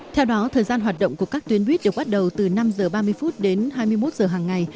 theo đó thời gian hoạt động của các tuyến buýt được bắt đầu từ năm h ba mươi đến hai mươi một h hàng ngày